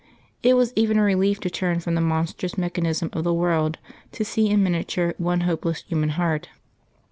It was even a relief to turn from the monstrous mechanism of the world to see in miniature one hopeless human heart.